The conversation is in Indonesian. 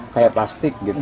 kayak plastik gitu